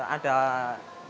ada salah satu kompor